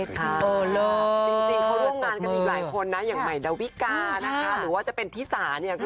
จริงเขาร่วมงานกับที่หลายคนนะอย่างใหม่ดาวิกาหรือว่าจะเป็นธิสา